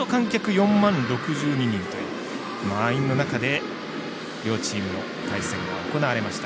４万６２人という満員の中で、両チームの対戦が行われました。